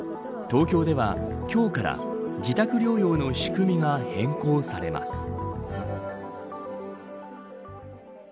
東京では、今日から自宅療養の仕組みが変更されます。